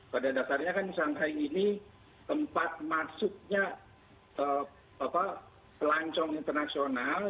pada dasarnya kan shanghai ini tempat masuknya pelancong internasional